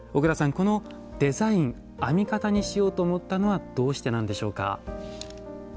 このデザイン編み方にしようと思ったのはどうしてなんでしょうか？